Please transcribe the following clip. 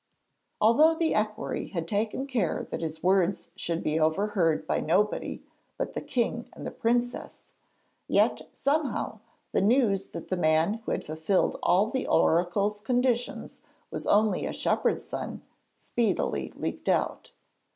Although the equerry had taken care that his words should be overheard by nobody but the king and the princess, yet somehow the news that the man who had fulfilled all the oracle's conditions was only a shepherd's son, speedily leaked out.